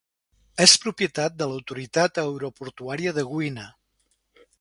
És propietat de l'autoritat aeroportuària de Gwinner.